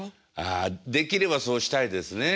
ああできればそうしたいですね。